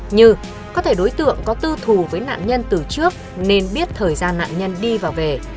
như có thể đối tượng có tư thù với nạn nhân từ trước nên biết thời gian nạn nhân đi và về